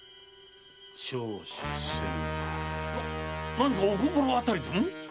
何かお心当たりでも？